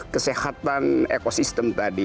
kesehatan ekosistem tadi